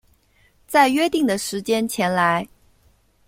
在约定的时间前来